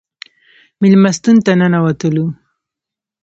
مېلمستون ته ننوتلو.